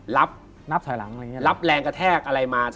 รับแรงกระแทกอะไรมา